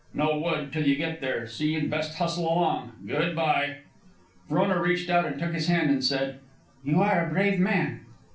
No wood until you get there, so you'd best hustle along. Good by." Frona reached out and took his hand, and said, "You are a brave man."